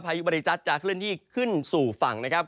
ยุบริจัทจะเคลื่อนที่ขึ้นสู่ฝั่งนะครับ